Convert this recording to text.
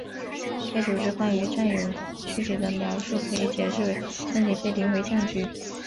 该组织关于占有躯体的描述可以解释为身体被灵魂占据。